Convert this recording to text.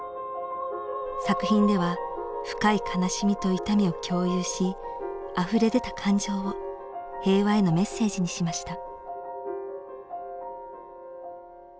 作品では深い悲しみと痛みを共有しあふれ出た感情を平和へのメッセージにしました。